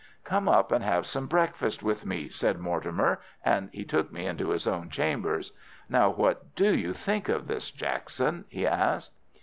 "Come up and have some breakfast with me," said Mortimer, and he took me into his own chambers.—"Now, what do you think of this, Jackson?" he asked.